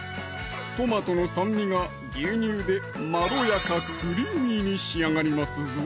トマトの酸味が牛乳でまろやかクリーミーに仕上がりますぞ！